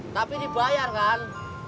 tapi dibayar kan